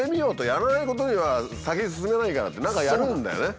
やらないことには先に進めないからって何かやるんだよね。